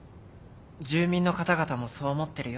住民の方々もそう思ってるよ。